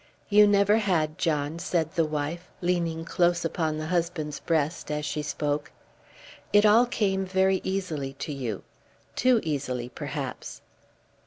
"You never had, John," said the wife leaning close upon the husband's breast as she spoke. "It all came very easily to you; too easily perhaps."